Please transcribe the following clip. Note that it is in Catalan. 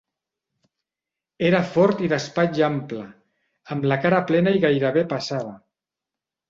Era fort i d'espatlla ampla, amb la cara plena i gairebé pesada.